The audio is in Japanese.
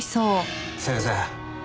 先生。